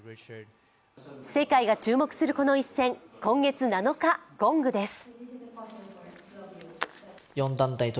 世界が注目するこの一戦、今月７日、ゴングです。